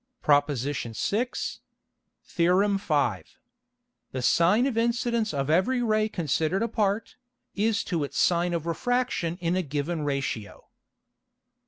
PROP. VI. THEOR. V. _The Sine of Incidence of every Ray considered apart, is to its Sine of Refraction in a given Ratio.